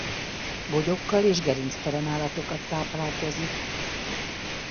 Bogyókkal és gerinctelen állatokat táplálkozik.